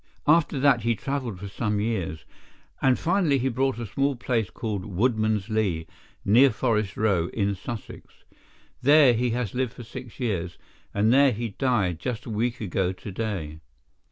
After that he travelled for some years, and finally he bought a small place called Woodman's Lee, near Forest Row, in Sussex. There he has lived for six years, and there he died just a week ago to day.